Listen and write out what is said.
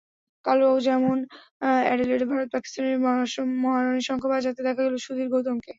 কালও যেমন অ্যাডিলেডে ভারত-পাকিস্তানের মহারণে শঙ্খ বাজাতে দেখা গেল সুধীর গৌতমকে।